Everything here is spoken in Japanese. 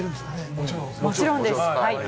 もちろんです。